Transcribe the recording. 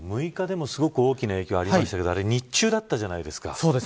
６日でもすごく大きな影響ありましたけれどあれは日中だったじゃないですか。